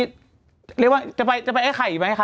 ที่ว่าจะไปให้ใครอีกไหมคะ